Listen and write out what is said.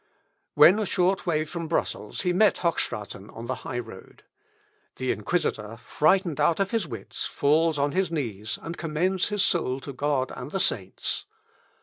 When a short way from Brussels, he met Hochstraten on the highroad. The inquisitor, frightened out of his wits, falls on his knees, and commends his soul to God and the saints.